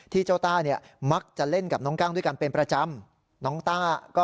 ที่เจ้าต้ามักจะเล่นกับน้องกั้งด้วยกันเป็นประจำ